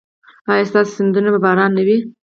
ایا ستاسو سیندونه به روان نه وي؟